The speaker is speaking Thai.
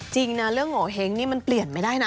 จริงนะเรื่องโงเห้งนี่มันเปลี่ยนไม่ได้นะ